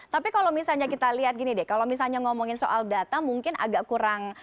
tapi kalau misalnya kita lihat gini deh kalau misalnya ngomongin soal data mungkin agak kurang